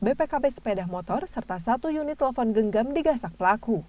bpkb sepeda motor serta satu unit telepon genggam digasak pelaku